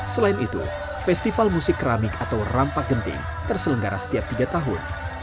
selain itu festival musik keramik atau rampak genting terselenggara setiap tiga tahun